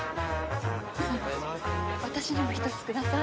私にも１つください。